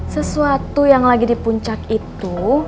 sesuatu yang lagi di puncak itu